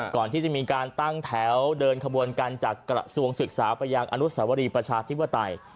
ก่อนที่จะมีการตั้งแถวเดินขบวนกันจากกระทรวงศึกษาไปยังอนุสาวรีประชาธิปไตย